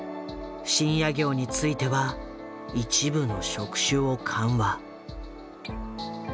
深夜業については一部の職種を緩和。